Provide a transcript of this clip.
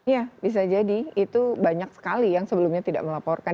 ya bisa jadi itu banyak sekali yang sebelumnya tidak melaporkan